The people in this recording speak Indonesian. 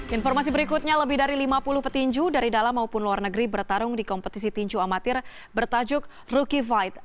informasi berikutnya lebih dari lima puluh petinju dari dalam maupun luar negeri bertarung di kompetisi tinju amatir bertajuk rookie fight